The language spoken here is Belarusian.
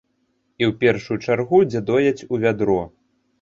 І ў першую чаргу, дзе дояць у вядро.